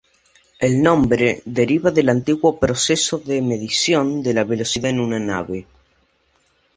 El nombre deriva del antiguo proceso de medición de la velocidad en una nave.